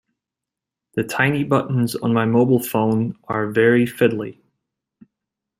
The tiny buttons on my mobile phone are very fiddly